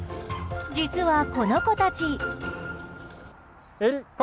実は、この子たち。